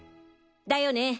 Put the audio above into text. だよね！